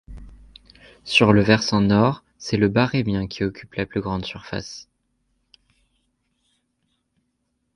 Sur le versant nord, c'est le Barrémien qui occupe la plus grande surface.